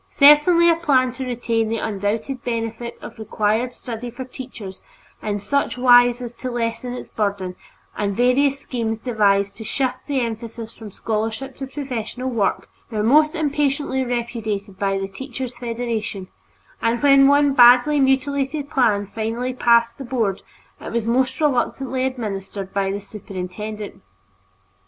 Certainly a plan to retain the undoubted benefit of required study for teachers in such wise as to lessen its burden, and various schemes devised to shift the emphasis from scholarship to professional work, were mostly impatiently repudiated by the Teachers' Federation, and when one badly mutilated plan finally passed the Board, it was most reluctantly administered by the superintendent.